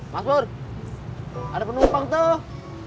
mas bur ada penumpang tuh